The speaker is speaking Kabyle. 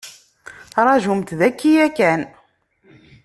Ṛajumt daki yakan.